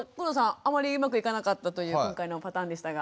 あまりうまくいかなかったという今回のパターンでしたが。